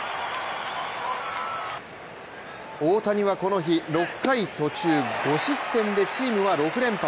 大谷はこの日、６回途中５失点でチームは６連敗。